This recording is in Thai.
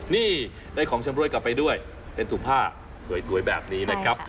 นี่ได้ของชำรวยกลับไปด้วยเป็นถุงผ้าสวยแบบนี้นะครับ